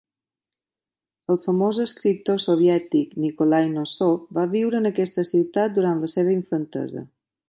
El famós escriptor soviètic Nikolay Nosov va viure en aquesta ciutat durant la seva infantesa.